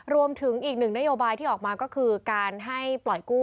รวมถึงอีกหนึ่งนโยบายที่ออกมาก็คือการให้ปล่อยกู้